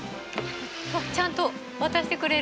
わっちゃんと渡してくれるんだ。